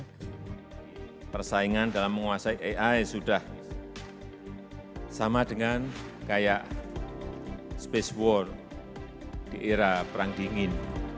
karena persaingan dalam menguasai ai sudah sama dengan kayak space war di era perang dingin